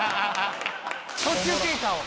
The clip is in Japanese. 途中経過を。